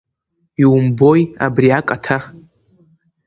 Иумбои абри акаҭа?